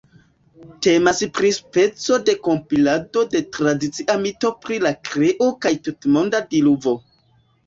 Temas pri speco de kompilado de tradicia mito pri la kreo kaj tutmonda diluvo.